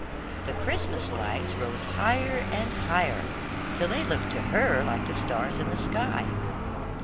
The Christmas lights rose higher and higher, till they looked to her like the stars in the sky.